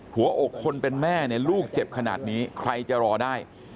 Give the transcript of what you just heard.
หัวอกคนเป็นแม่เนี่ยลูกเจ็บขนาดนี้ใครจะรอได้